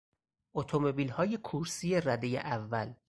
اتومبیلهای کورسی ردهی اول